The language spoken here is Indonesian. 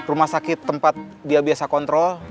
rumah sakit tempat dia biasa kontrol